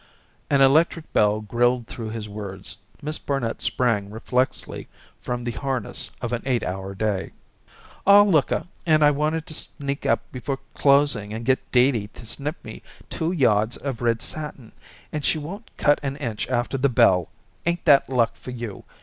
An electric bell grilled through his words. Miss Barnet sprang reflexly from the harness of an eight hour day. "Aw, looka, and I wanted to sneak up before closing and get Dee Dee to snip me two yards of red satin, and she won't cut an inch after the bell. Ain't that luck for you?